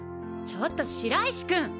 ちょっと白石君！